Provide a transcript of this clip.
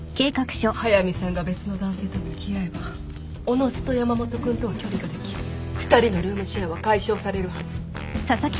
速見さんが別の男性と付き合えばおのずと山本君とは距離ができ２人のルームシェアは解消されるはず。